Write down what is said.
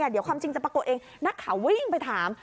เดี๋ยวความจริงจะปรากฏเองนักข่าววิ่งไปถาม